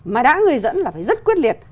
mà đã người dẫn là phải rất quyết liệt